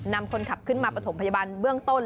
นำคนขับขึ้นมาประถมพยาบาลเบื้องต้น